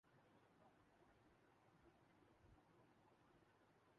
کیوں دادِ غم ہمیں نے طلب کی، بُرا کیا